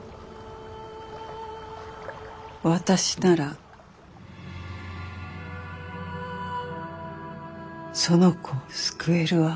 私ならその子を救えるわ。